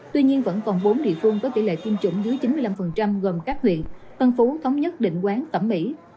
tuy nhiên vẫn còn bốn địa phương có tỷ lệ tiêm chủng dưới chín mươi năm gồm các huyện tân phú thống nhất định quán cẩm mỹ